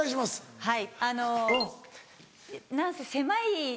はい。